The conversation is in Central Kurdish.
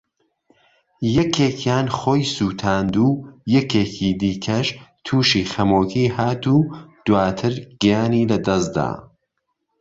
یەکێکیان خۆی سوتاند و یەکێکی دیکەش تووشی خەمۆکی هات و دواتر گیانی لەدەستدا